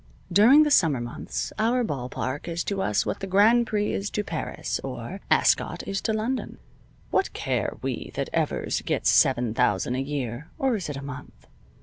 During the summer months our ball park is to us what the Grand Prix is to Paris, or Ascot is to London. What care we that Evers gets seven thousand a year (or is it a month?)